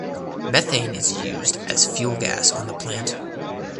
Methane is used as fuel gas on the plant.